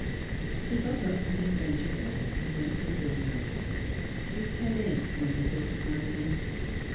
He got up from his bench again and went to the window; his head ached when he thought of Madeleine.